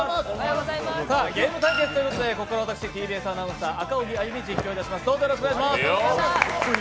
ゲーム対決ということでここからは私、ＴＢＳアナウンサー・赤荻歩が実況します！